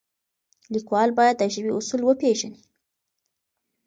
لیکوال باید د ژبې اصول وپیژني.